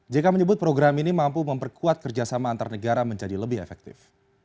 jk menyebut program ini mampu memperkuat kerjasama antar negara menjadi lebih efektif